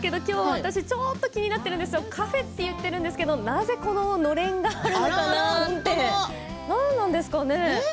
私、ちょっと気になっているんですけれどカフェと言ってるんですけれどもなぜ、のれんがあるのか何なんですかね？